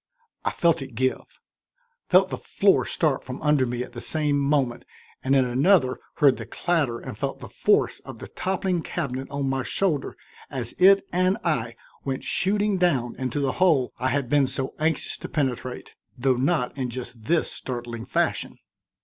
I felt it give, felt the floor start from under me at the same moment, and in another heard the clatter and felt the force of the toppling cabinet on my shoulder as it and I went shooting down into the hole I had been so anxious to penetrate, though not in just this startling fashion.